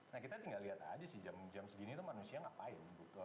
nah kita tinggal lihat aja sih jam segini itu manusia ngapain gitu